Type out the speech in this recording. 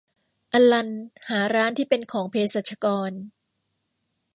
อัลลันหาร้านที่เป็นของเภสัชกร